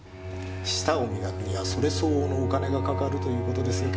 舌を磨くにはそれ相応のお金がかかるという事ですよ。